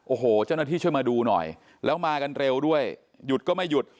โอ้โหเจ้าหน้าที่ช่วยมาดูหน่อยแล้วมากันเร็วด้วยหยุดก็ไม่หยุด